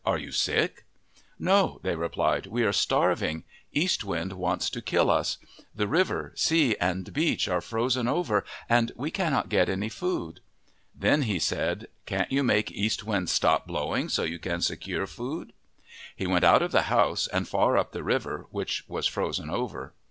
Are you sick ?" "No," they replied, "we are starving. East Wind wants to kill us. The river, sea, and beach are frozen over and we cannot get any food." Then he said, " Can't you make East Wind stop blowing so you can secure food ?' He went out of the house and far up the river, which was frozen over.